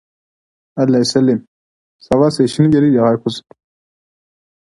Loaders for shared libraries vary widely in functionality.